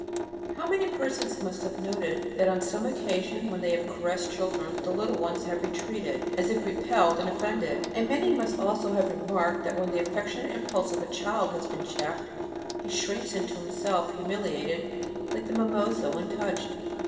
How many persons must have noted that on some occasion when they have caressed children, the little ones have retreated, as if repelled and offended; and many must also have remarked that when the affectionate impulse of a child has been checked, he shrinks into himself, humiliated, like the mimosa when touched.